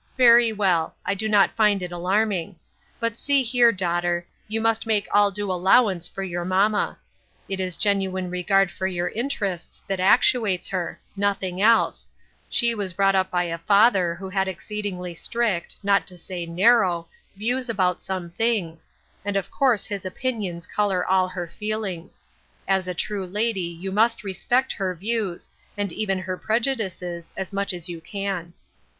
Very well ; I do not find it alarming. But, see here, daughter, you must make all due allowance for your mamma. It is genuine regard for your interests that actu ates her — nothing else ; she was brought up by a father who had exceedingly strict — not to say narrow — views about some things, and of course his opinions color all her feelings ; as a true lady, you must respect her views, and even her preju dices, as much as you can."